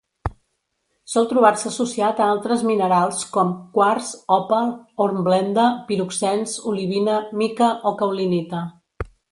Sol trobar-se associat a altres minerals com: quars, òpal, hornblenda, piroxens, olivina, mica o caolinita.